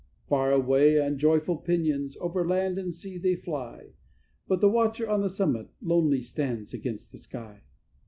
Far away, on joyful pinions, over land and sea they fly; But the watcher on the summit lonely stands against the sky.